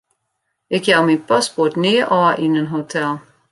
Ik jou myn paspoart nea ôf yn in hotel.